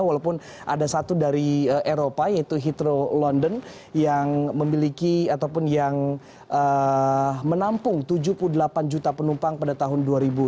walaupun ada satu dari eropa yaitu hidro london yang memiliki ataupun yang menampung tujuh puluh delapan juta penumpang pada tahun dua ribu dua puluh